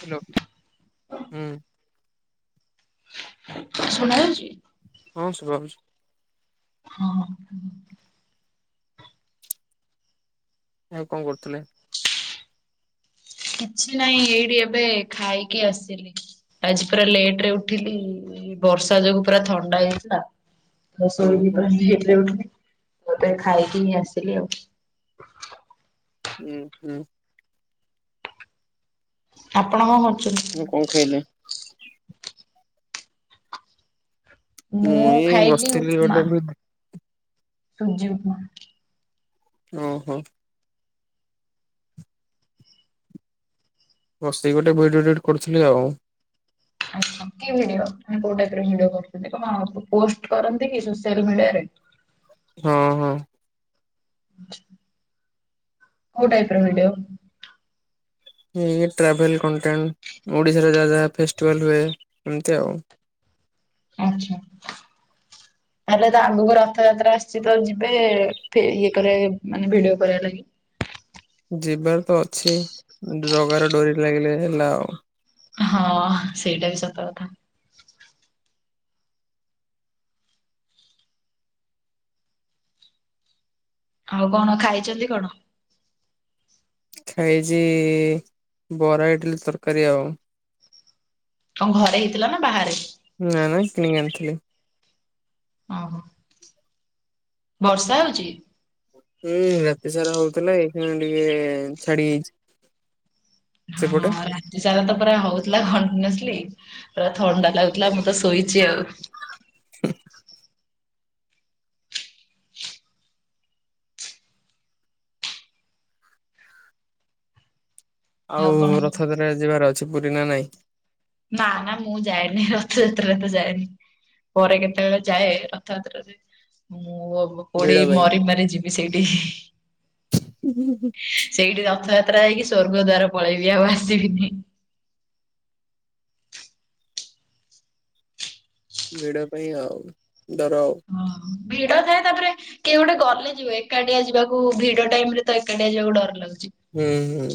Hello. ହୁଁ। ଶୁଣା ଯାଉଚି? ହଁ ଶୁଭା ହୋଉଚି। ହଁ [unintelligible] ଆଉ କଣ କରୁଥିଲେ? କିଛି ନାହିଁ ଏଇଠି ଏବେ ଖାଇକି ଆସିଲି। ଆଜି ପୁରା ଲେଟେ ରେ ଉଠିଲି ବର୍ଷା ଯୋଗୁଁ ପୁରା ଥଣ୍ଡା ହେଇଯାଇଥିଲା। [inaudible] ଶୋଇକି ଓହୋ [unintelligible] ଲେଟରେ ଉଠିଲି ତାପରେ ଖାଇକି ହିଁ ଆସିଲି ଆଉ। ଉଁ ହୁଁ। ଆପଣ କଣ କରୁଚନ୍ତି। [unintelligible] କଣ ଖାଇଲେ। ମୁଁ ଏଇ ଖାଇଲି ବସିଥିଲି ଗୋଟେ ଉପମା ଭିଡି ସୁଜି ଉପମା। ଓହୋ। ବସିକି ଗୋଟେ ଭିଡ଼ିଓ ଏଡିଟକରୁଥିଲି ଆଉ। ଆଛା କି ଭିଡିଓ ମାନେ କୋଉଟାଇରେ ଭିଡିଓ କରୁଛନ୍ତି କଣ ପୋଷ୍ଟ କରନ୍ତି କି ସୋସିଆଲ ମିଡିଆରେ। ହଁ ହଁ। କୋଉ ଟାଇପ୍ ର ଭିଡିଓ। ଟ୍ରାଭେଲ କଣ୍ଟେଣ୍ଟ ଓଡିଶାରେ ଯାହା ଯାହା ଫେଷ୍ଟିଭାଲ ହୁଏ ଏମିତି ଆଉ। ଆଚ୍ଛା। ହ। ହେହଲେ ତ ଆଗକୁ ରଥଯାତ୍ରା ଆସିଛି ତ ଯିବେ ଇଏ କରିବା ମାନେ ଭିଡିଓ କରିବା ଲାଗି। ଯିବାର ତ ଅଛି ଜଗାରେ ଡରି ଲାଗିଲେ ହେଲା ଆଉ। ହଁ ସେଇଟା ବି ସତ କଥା। ଆଉ କଣ ଖାଇଛନ୍ତି କଣ। ଖାଇଛି ବରା ଇଡିଲି ତରକାରୀ ଆଉ। କଣ ଘରେ ହେଇଥିଲା ନା ବାହାରେ। ନା ନା କିଣିକି ଆଣିଥିଲି। ଓହୋ। ବର୍ଷା ହଉଛି। ହୁଁ ରାତି ସାରା ହଉଥିଲା ଏଇ ଖିନା ଟିକେ ଛାଡି ଯାଇଛି। ହଁ ସେପଟେ। ରାତି ସାରା ତ ପୁରା ହଉଥିଲା କଣ୍ଟିନ୍ୟୁସଲି ପୁରା ଥଣ୍ଡା ଲାଗୁଥିଲା। ଲା ମୁଁ ତ ଶୋଇଛି ଆଉ। ହ ଆଉ କଣ କୁହ? ରଥଯାତ୍ରା ଯିବାର ଅଛି ପୁରୀ ନା ନାଇଁ। ନା ନା ମୁଁ ଯାଏନି ରଥଯାତ୍ରା ତ ଯାଏନି। ପରେ କେତେବେଳେ ଯାଏ ରଥଯାତ୍ରରେ ମୁଁ। ଭିଡ କୋଡେଇ ପାଇଁ। ମରି ମାର ଯିବି ସେଇଠି। ସେଇଠି ରଥଯାତ୍ରା ହେଇକି ସବର୍ଗ ଦ୍ଵାର ପଳେଇବି ଆଉ ଆସିବିନି। ଭିଡ ପାଇଁ ଆଉ ଧର ଆଉ। ଓ ଭିଡଓ ଥାଏ ତାପରେ କେହି ଗୋଟେ ଗଲେ ଯିବ ଏକାଠିଆ ଯିବାକୁ ଭିଡ ଟାଇମ ରେ ତ ଏକାଠିଆ ଯିବାକୁ ଡର ଲାଗୁଛି। ହୁଁ ହୁଁ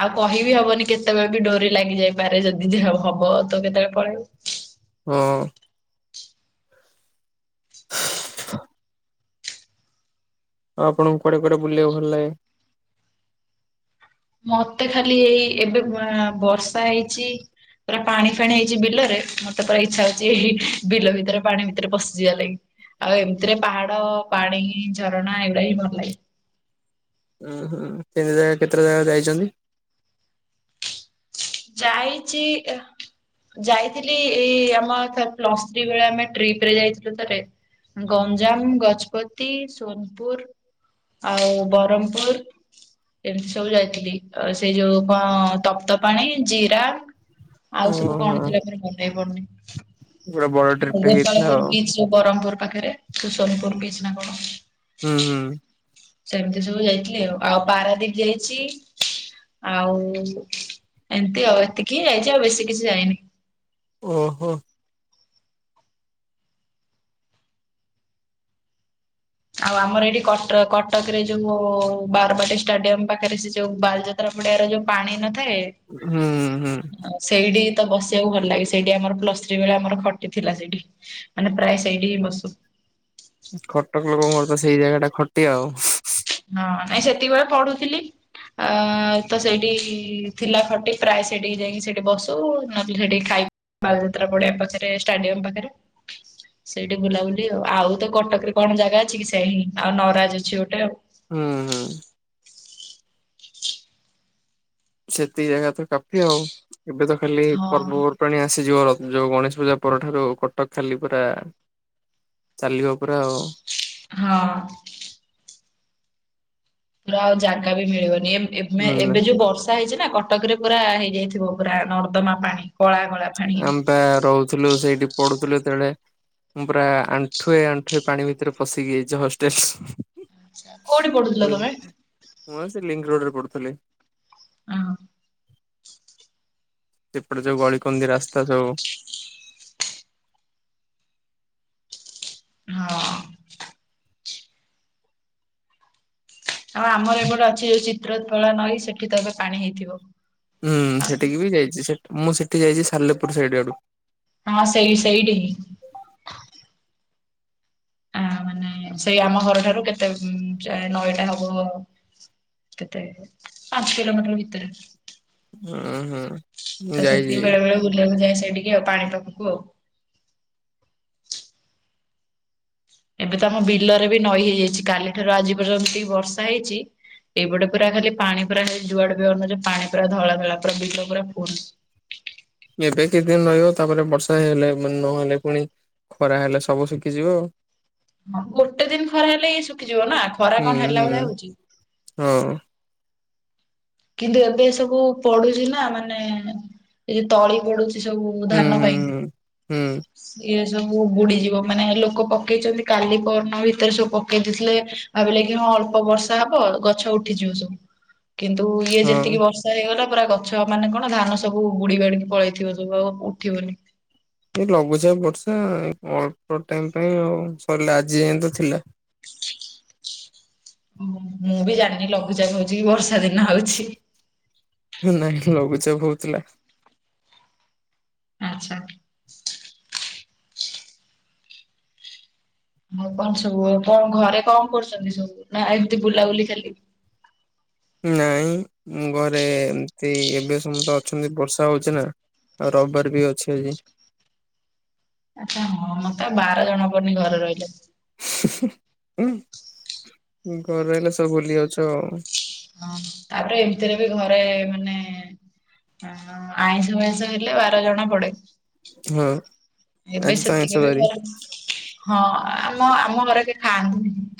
ଆଉ କହିବି ହବନି କେତେବେଳେ ବି ଡୋରି ଲାଗିଯାଇପାରେ ଯଦି ଯ ହବ ତ କେତେବେଳେ ପଳେଇବ। ହଁ। [inaudible] ଆଉ ଆପଣଙ୍କୁୁ କୁଆଡେ କୁଆଡେ ବୁଲିବାକୁ ଭଲ ଲାଗେ। ମତେ ଖାଲି ଏଇ ଏବେ ପୂରା ବର୍ଷା ହେଇଛି। ପୁରା ପାଣି ଫାଣି ହେଇଛି ବିଲରେ ମତେ ପୁରା ଇଚଛା ହଉଛି ଏଇ ବିଲ ଭିତରେ ପାଣି ଭିତରେ ପଶିଯିବା ଲାଗି। ଆଉ ଏମିତିରେ ପାହାଡ ପାଣି ଝରଣା ଏଗୁଡା ହିଁ ଭଲ ଲାଗେ। ଉୁଁ ହୁଁ ତିନି ଜାଗା କେତେ ଜାଗା ଯାଇଛନ୍ତି। ଯାଇଛି। ଯାଇଥିଲି ଏଇ ଆମ ଥର ପ୍ଲସ୍ ଥ୍ରୀ ବେଳେ ଆମେ ଟ୍ରିପ ରେ ଯାଇଥିଲୁ ଥରେ। ଗଞ୍ଜାମ ଗଜପତି ସୋନପୁର। ଆଉ ବରହମପୁର। ଏମିତି ସବୁ ଯାଇଥିଲି ଆଉ ସେ ଯୋଉ କଣ ତପ୍ତ ପାଣି। ଜିରାଗଂ ଆଉ ସବୁ ଓହୋ କଣ ଥିଲା ମୋର ମନେ ପଡୁନି। ପୁରା ବଡ ଟ୍ରିପ୍ ଆଉ ଟେ ହେଇଥିଲା ଗୋପାଳପୁର ଆଉ ବିଚ ବ୍ରହ୍ମପୁର ପାଖରେ ସୁ ସୋନପୁର ବିଚ୍ ନା କଣ। ହୁଁ ହୁଁ। ସେମିତି ସବୁ ଯାଇଥିଲି ଆଉ ଆଉ ପାରାଦ୍ୱୀପ ଯାଇଛି। ଆଉ ଏମିତି ଆଉ ଏତିକି ହିଁ ଯାଇଛି ଆଉ ବେଶୀ କିଛି ଯାଇନି। ଓହୋ। ଆଉ ଆମର ଏଇଠି କଟ କଟକ ରେ ଯୋଉ ବାରବାଟୀ ଷ୍ଟାଡିୟମ ପାଖରେ ସେ ଯୋଉ ବାଲଯାତ। ପଡିଆ ର ଯୋଉ ପାଣି ନଥାଏ। ହୁଁ ହୁଁ। ଉ ସେଇଠି ତ ବସିବାକୁ ଭଲ ଲାଗେ ସେଇଠି ଆମର ପ୍ଲସ ଥ୍ରୀ ବେ ଆମର ଖଟିଥିଲା ସେଇଠି। ମାନେ ପ୍ରାୟ ସେଇଠି ହିଁ ବସୁ। କଟକ ଲୋକଙ୍କର ତ ସେଇ ଜାଗା ଟା ଖଟି ଆଉ। ହଁ ନାଇଁ ସେତିକିବେଳେ ପଢୁଥିଲି। ଆ ତ ସେଇଠି ଥିଲା ଖଟି ପ୍ରାୟ ସେଠିକି ଯାଇକି ସେଠି ବସୁ ନହେଲେ ସେଠିକି ଖାଇ ବାଲିଯାତ୍ରା ପଡିଆ ପାଖରେ ଷ୍ଟାଡିୟମ ପାଖରେ। ସେଇଠି ବୁଲାବୁଲି ଆଉ ତ କଟକରେ କଣ ଜାଗା ଅଛି କି ସେଇ ଆଉ ନରାଜ ଅଛି ଗୋଟେ ଆଉ। ହୁଁ ହୁଁ। [inaudible] ସେତିକ ଜାଗା ତ କାଫି ଆଉ ଏବେ ତ ଖାଲି ହଁ ପର୍ବପର୍ବାଣିୀ ଆସିଯିବ ର ଯୋଉ ଗଣେଶ ପୂଜା ପରଠାରୁ କଟକ ଖାଲି ପରା ଚାଲିବ ପରା ଆଉ। ହଁ। ଆଉ ଜାଗା ବି ମିଳିବନି ଏ ହୁଁ ଏବେ ଯୋଉ ବର୍ଷା ହେଇଛି ନା କଟକ ରେ ପୁରା ହେଇଯାଇଥିବ ପୁରା ନର୍ଦ୍ଦମା ପାଣି କଳାକଳା ଆମେ ପା ରହୁଥିଲୁ ସେଇଠି ପଢୁଥିଲୁ ଯେତେବେଳେ। ମୁଁ ପୁରା ଆଣ୍ଠୁଏ ଆଣ୍ଠୁଏ ପାଣି ଭିତରେ ପଶିକି ଯାଇଛି ହଷ୍ଟେଲ। କୋଉଠି ପଡୁଥିଲ ତମେ? ମୁଁ ଆଉ ସେ ଲିଙ୍କ ରୋଡ଼ରେ ପଢୁଥିଲି। ଓ ହୋ। ସେପଟେ ଯୋଉ ଗଳିକନ୍ଦି ରାସ୍ତା ସବୁ ହଁ। ଆଉ ଆମର ଏପଟେ ଅଛି ଯୋଉ ଚିତ୍ରକଳା ନଈ ସେଠି ତ ଏବେ ପାଣି ହେଇଥିବ। ହୁଁ ସେଠିକି ବି ଯାଇଛି ମୁଁ ସେଠି ଯାଇଛି ସାଲେପୁର ସେଇ ଆଡୁ ହଁ ସେଇ ସେଇଠି ହିଁ। ଆ ମାନେ ସେଇ ଆମ ଘରଠାରୁ କେତେ ନଈଟା ହବ? କେତେ ପାଞ୍ଚ କିିଲୋ ମଟର ଭିତରେ। ଉଁ ହୁଁ ତ ମୁଁ ସେତିକି ଯାଇଛି ବେଳେ ବେଳେ ବୁଲିବାକୁ ଯାଏ ସେଇଠିକି ଆଉ ପାଣି ପାଖକୁ ଆଉ। ଏବେ ତ ଆମ ବିଲରେ ବି ନଈ ହେଇଯାଇଛି କାଲିଠାରୁ ଆଜି ପର୍ଯ୍ୟନ୍ତ ଯେମିତି ବର୍ଷା ହେଇଛି। ଏଇପଟେ ପୁରା ଖାଲି ପାଣି ପୁରାଇ ଯୁଆଡେ ଅନୁଅ ପାଣି ପୁରା ଧଳା ଧଳା ପୁରା ବିଲ ପୁରା ପୁଣି ଏବେ କିଛି ଦିନ ରହିବ ତାପରେ ବର୍ଷା ହେଇ ହେଲେ ନହେଲେ ପୁଣି ଖରା ହେଲେ ସବୁ ଶିଖିଯିବ ଆଉ। ହଁ ଗୋଟେ ଦିନ ଖରା ହେଲେ ଏଇ ଶୁଖିଯିବ ନା ଖରା ହୁଁ କଣ ହେଲା ହୁଁ ଭଳିଆ ହଉଛି। ହଁ। କିନ୍ତୁ ଏବେ ସବୁ ପଡୁଛି ନା ମାନେ ଏ ତଳି ପଡୁଛି। ସେ ସବୁ ହୁଁ ଧାନ ହୁଁ ପାଇଁ। ହୁଁ। ଇଏ ସବୁ ବୁଡିଯିବ ମାନେ ଲୋକ ପକେଇଛନ୍ତି କାଲି ପହର ଦିନ ଭିତରେ ସବୁ ପକେଇ ଦେଇଥିଲେ। ଆ ବ ଲ କି ହଁ ଅଳ୍ପ ବର୍ଷା ହବ ଗଛ ଉଠିଯିବ ସବୁ କିନ୍ତୁ ଇଏ ହୁଁ ହଁ ଯେତିକି ବର୍ଷା। ଗ ହେଇଗଲା ପୁରା ଗଛ ମାନେ କଣ ଧାନ ସବୁ ବୁଡି ବାଡିକି ପଳେଇଥିବ ସବୁ ଆଉ ଉଠିବନି। [inaudible] ଏ ଲଘୁଚାପ ବର୍ଷା ଅଳ୍ପ ଟାଇମ୍ ପାଇଁ ଆଉ ସରିଲା ଆଜି ଯିଏ ତ ଥିଲା। ହୁଁ ମୁଁ ବି ଜାଣିନି ଲଘୁଚା ହଉଛି ବର୍ଷା ଦିନେ। ହଉଛି। ନାଇଁ ଲଘୁଚାପ ହଉଥିଲା। ଆଚ୍ଛା। ଆଉ କଣ ସବୁ କଣ ଘରେ କଣ କରୁଛନ୍ତି ସବୁ ନା ଏମତି ବୁଲାବୁଲି ଖାଲି? ନାଇଁ ଘରେ ଏମତି ଏବେ ସମସ୍ତେ ଅଛନ୍ତି ବର୍ଷା ହଉଛି ନା ଆଉ ରବିବାର ବି ଅଛି ଆଜି। ଆଚ୍ଛା ହଁ ମତେ ବାର ଜଣ ପଡୁନି ଘରେ ରହିଲେ। ଉଁ, ଘର ହେଲେ ସବୁ ଭୁଲି ଯାଉଛ। ହଁ ତାପରେ ଏମିତିରେ ବି ଘରେ ମାନେ ଆଇଁଷ ମାଇଁଷ ହେଲେ ବାର ଜଣା ପଡେ। ହଁ। ଏବେ ଆଜି ତ ଆଇଁଷ ସେତିକି ବି ବାରି ଘର ହଁ ଆମ ଆମ ଘରେ କେ ଖାଆନ୍ତିନି।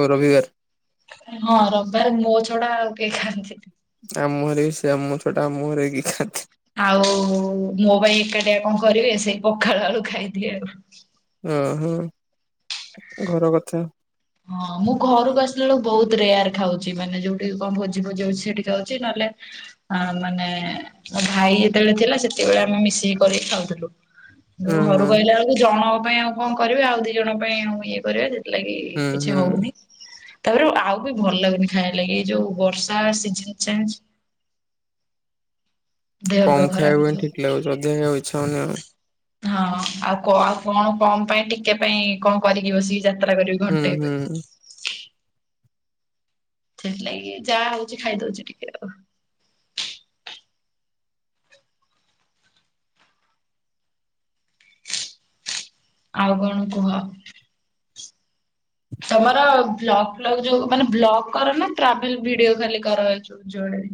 ଓ ରବିବାର। ହଁ ରବବାର ମୋ ଛଡା ଆଉ କେହି ଖାଆନ୍ତିନି। ଆମ ଘରେ ବି ସେ ଆମ ଛୋଟା ଆମ ଘରେ କିଏ ଖାଆନ୍ତିନି। ଆଉ ମୋ ପାଇଁ ଏକାଟିଆ କଣ କରିବେ ସେଇ ପଖାଳ ଆଳୁ ଖାଇଦିଏ ଆଉ। ଓହୋ ଘର କଥା। ହଁ ମୁଁ ଘରକୁ ଆସିଲା ବେଳକୁ ବହୁତ ରେୟାର ଖାଉଛି ମାନେ ଯୋଉଠି କଣ ଭୋଜି ଫୋଜି ହଉଛି ସେଠି ଖାଉଛି। ନହେଲେ ଆ, ମାନେ ମୋ ଭାଇ ଯେତେବେଳେ ଥିଲା ସେତେବେଳେ ଆମେ ମିଶିକି କରିକି ଖାଉଥିଲୁ। ହୁଁ ଯୋଉ ହୁଁ। ଘରୁକୁ ଆଇଲା ବେଳକୁ ଜଣଙ୍କ ପାଇଁ ଆଉ କଣ କରିବେ ଆଉ ଦି ଜଣଙ୍କ ପାଇଁ ଆଉ ଇଏ କରିବେ ସେଥିଲାଗି ହୁଁ କିଛି ହୁଁ ହଉନି। ତାପରେ ଆଉ ବି ଭଲ ଲାଗୁନି ଖାଇବା ଲାଗି ଏ ଯୋଉ ବର୍ଷା ସିଜନ୍ ଚାଲିଛି। ଦେହ ଫେହ କମ ଖାଇବାକୁ ଖରାପ ପାଇଁ ହେଇଯିବ। ଠିକ୍ ଲାଗୁଛି ଅଧିକ ଖାଇବାକୁ ଇଚ୍ଛା ହଉନି ଆଉ। ହଁ ଆଉ କ-ଆଉ କଣ କମ ପାଇଁ ଟିକେ ପାଇଁ କଣ କରିକି ବସିକି ଯାତ୍ରା କରିବି ହୁଁ ଘଣ୍ଟେ ଉପରେ। ହୁଁ। ସେଥିଲାଗି ଯାହା ହଉଛି ଖାଇଦଉଛି ଟିକେ ଆଉ। ଆଉ କଣ କୁହ? ହ ତୋମର ବ୍ଲଗ୍ ଫ୍ଲଗ ଯୋଉ ମାନେ ବ୍ଲଗ୍ କରନା ଟ୍ରାଭେଲ୍ ଭିଡିଓ ଖାଲି କରାହଉଛୁ? ଜଣେ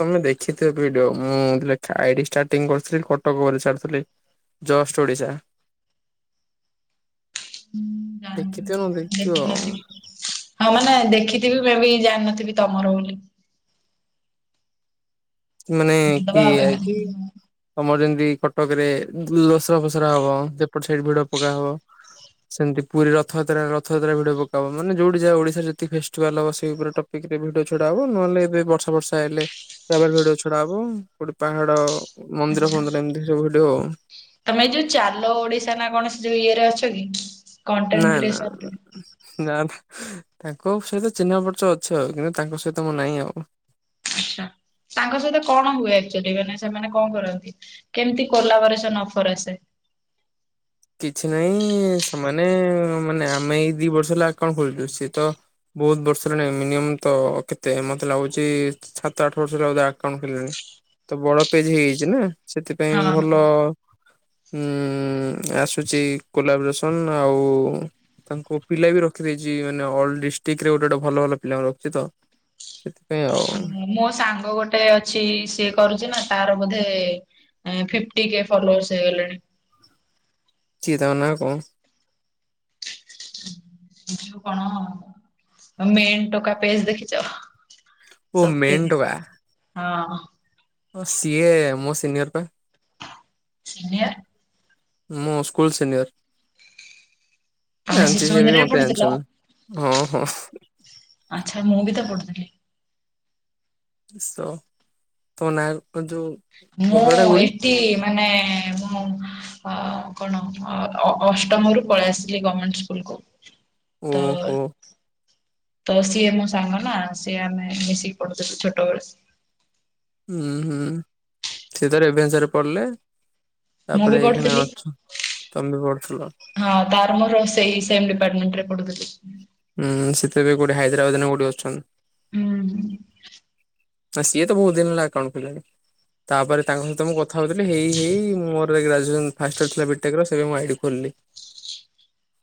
ତୋମେ ଦେଖିଥିବ ଭିଡିଓ ମୁଁ [unintelligible] ଆଇଡି ଷ୍ଟାର୍ଟିଂ କରିଥିଲି କଟକ କରି ଛାଡିଥିଲି। ଜଷ୍ଟ ଓଡ଼ିଶା। [unintelligible] ନ ଦେଖିଥିବ। ଦେଖିନଥିବି। ହଁ ମାନେ ଦେଖିଥିବି, ମେ ବି ଜାଣିନଥିବି ତୋମର ବୋଲି। ମାନେ ଦେଖିଦବା ଆଉ ଏବେ ପିଆଇପି ତୋମର ଯେମତି କଟକ ରେ ଦଶରା ଫସରା ହବ। ସେପଟ ସାଇଡ ଭିଡିଓ ପକା ହବ। ସେମିତି ପୁରୀ ରଥଯାତ୍ରା, ରଥଯାତ୍ରା ଭିଡିଓ ପକାହବ। ମାନେ ଯୋଉଠି ଯାହା ଓଡିଶାରେ ଯେତିକ ଫେଷ୍ଟିଭାଲ ହବ ସେଇ ଉପରେ ଟ ଦେଖିତେ ଭିଡିଓ ଛଡା ହବ ନହେଲେ ଏବେ ବର୍ଷା ବର୍ଷା ହେଲେ ଟ୍ରାଭେଲ୍ ଭିଡିଓ ଛଡା ହବ। କୋଉଠି ପାହାଡ ମନ୍ଦିର ଫନ୍ଦିର ଏମିତି ସବୁ ଭିଡିଓ। ତୋମେ ଏ ଯୋଉ ଚାଲ ଓଡିଶା ନା କୌଣସି ଯୋଉ ଇଏ ରେ ଅଛ କି ନା କଣ୍ଟେଣ୍ଟ ନା କ୍ରିଏସନରେ? ନା ତ ତାଙ୍କ ସହିତ ଚିହ୍ନା ପରଚୟ ଅଛି ଆଉ। କିନ୍ତୁ ତାଙ୍କ ସହିତ ମୁଁ ନାହିଁ ଆଉ। ଆଚ୍ଛା। ତାଙ୍କ ସହିତ କଣ ହୁଏ ଏକ୍ଚୁଲି ମାନେ ସେମାନେ କଣ କରନ୍ତି? କେମିତି କଲାବୋରେସନ ଅଫର୍ ଆସେ? କିଛି ନାହିଁ ସେମାନେ ମାନେ ଆମେ ଏଇ ଦି ବର୍ଷ ହେଲା ଆକାଉଣ୍ଟ ଖୋଲିଚୁ। ସିଏ ତ ବହୁତ ବର୍ଷ ର ନାଇ ମିନିୟମ ତ କେତେ ମୋତେ ଲାଗୁଛି ସାତ ଆଠ ବର୍ଷ ର ବୋଧେ ଆକାଉଣ୍ଟ ଖୋଲିଲେଣି। ତ ବଡ ପେଜ୍ ହେଇଯାଇଚି ନା ସେଥିପାଇଁ ହଁ ହଁ। ଭଲ ଉଁ, ଆସୁଚି କୋଲାବ୍ରେସନ ଆଉ ତାଙ୍କୁ ପିଲା ବି ରଖିଦେଇଚି ମାନେ ଅଲ ଡିଷ୍ଟ୍ରିକ୍ଟ ରେ ଗୋଟେ ଗୋଟେ ଭଲ ଭଲ ପିଲା ରଖିଚି ତ। ସେଥିପାଇଁ ଆଉ। ମୋ ସାଙ୍ଗ ଗୋଟେ ଅଛି ସିଏ କରୁଚି ନା ତାର ବୋଧେ ଏଁ ଫିଫ୍ଟି କେ ଫଲୋର୍ସ ହେଇଗଲେଣି। ଛି ତାଙ୍କ ନାଁ କଣ? [unintelligible] କଣ ତ ମେନ୍ ଟୋକା ପେଜ୍ ଦେଖିଚ? ଓ ସତ୍ୟଜିତ, ହଁ। ଓ ସିଏ ମୋ ସିନିୟର୍ ପା। ସିନିୟର୍? ମୋ ସ୍କୁଲ ସିନିୟର୍। ତମେ ଜାଣିଚି ଶିଶୁ ସିଏ ବି ମନ୍ଦିରରେ ମୋତେ ପଢୁଥିଲ ଜାଣିଛନ୍ତି ହଁ ହଁ। ଆଚ୍ଛା, ମୁଁ ବି ତ ପଢ଼ୁଥିଲି। ବ୍ୟସ୍ତ। ତମ ନାଁ କଣ ଯୋଉ ମୁଁ ଘରଟା କୋଉଠି? ଏଠି ମାନେ ମୁଁ ଅ କଣ ଅ-ଅ-ଅଷ୍ଟମରୁ ପଳେଇ ଆସିଥିଲି ଗମେଣ୍ଟ ସ୍କୁଲକୁ। ତ ଓହୋ ତ ସିଏ ମୋ ସାଙ୍ଗ ନା, ସିଏ ଆମେ ମିଶିକି ପଢୁୁଥିଲୁ ଛୋଟବେଳେ। ହୁଁ ହୁଁ। ସିଏ ତ ରେଭେନ୍ସାରେ ପଢ଼ିଲେ ମୁଁ ବି ତାପରେ ଏଇଖିଣା ପଢୁଥିଲି ଅଛୁ, ତମ ବି ପଢ଼ୁଥିଲ? ହଁ ତାର ମୋର ସେଇ ସେମ୍ ଡିପାର୍ଟମେଣ୍ଟରେ ପଢୁଥିଲୁ। ହୁଁ। ସିଏ ତ ଏବେ କୋଉଟି ହାଇଦ୍ରାବାଦରେ ନା କୋଉଠି ଅଛନ୍ତି। ହୁଁ ହୁଁ। ନା ସିଏ ତ ବହୁତ ଦିନ ହେଲା ଆକାଉଣ୍ଡ ଖୋଲିଲେଣି। ତାପରେ ତାଙ୍କ ସହିତ ମୁଁ କଥା ହଉଥିଲି, ହେଇ ହେଇ ମୁଁ ମୋର ଏଇ ଗ୍ରାଜୁଏସନ୍ ଫାଷ୍ଟ ଇୟର ଥିଲା ବି ଟେକ୍ ର ସେବେ ମୁଁ ଆଇଡି ଖୋଲିଲି। [inaudible]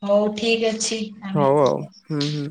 ହଉ ଠିକ ଅଛି, ଆମେ ହଉ ଆଉ [unintelligible] ହୁଁ ହୁଁ।